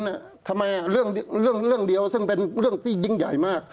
ทำไมเรื่องเดียวซึ่งเป็นเรื่องที่ยิ่งใหญ่มาก